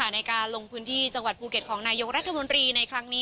ในการลงพื้นที่จังหวัดภูเก็ตของนายกรัฐมนตรีในครั้งนี้